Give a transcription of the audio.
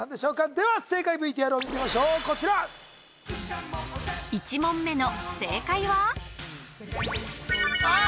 では正解ＶＴＲを見てみましょうこちら１問目の正解は？あっ！